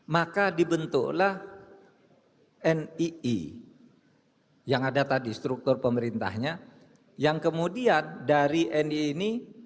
maka dibentuklah nii yang ada tadi struktur pemerintahnya yang kemudian dari nii ini